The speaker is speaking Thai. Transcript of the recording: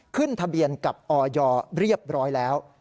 ขึ้นทะเบียนกับออยเรียบร้อยแล้ว